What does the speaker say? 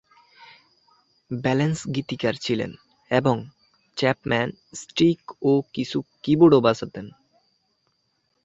Balance গীতিকার ছিলেন এবং চ্যাপম্যান স্টিক ও কিছু কীবোর্ডও বাজাতেন।